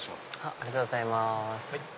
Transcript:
ありがとうございます。